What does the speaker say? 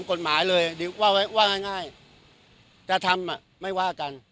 กฎหมายเลยว่าไว้ว่าง่ายจะทำไม่ว่ากัน